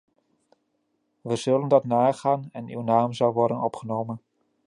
We zullen dat nagaan en uw naam zal worden opgenomen.